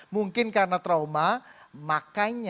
mungkin karena terlalu banyak yang menyebutnya